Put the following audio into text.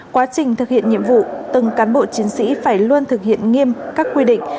quá trình thực hiện nhiệm vụ từng cán bộ chiến sĩ phải luôn thực hiện nghiêm các quy định